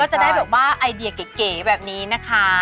จะได้แบบว่าไอเดียเก๋แบบนี้นะคะ